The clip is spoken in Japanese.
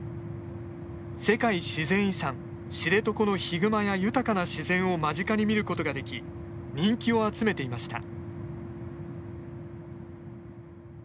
世界自然遺産・知床のヒグマや豊かな自然を間近に見ることができ人気を集めていました。